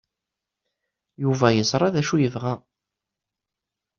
Yuba yeẓra d acu yebɣa.